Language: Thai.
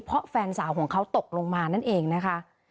เพราะแฟนสาวของเขาตกลงมานั่นเองนะคะ